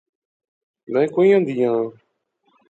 میں کویاں دیاں؟